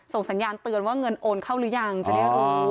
สัญญาณเตือนว่าเงินโอนเข้าหรือยังจะได้รู้